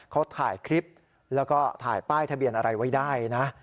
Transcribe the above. เขาถ่ายคลิปแล้วก็ถ่ายป้ายทะเบียนอะไรไว้ได้นะ